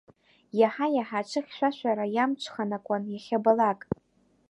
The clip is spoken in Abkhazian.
Иаҳа-иаҳа аҿыхьшәашәара иамҿханакуан иахьабалак.